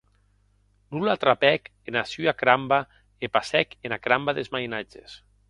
Non la trapèc ena sua cramba e passèc ena cramba des mainatges.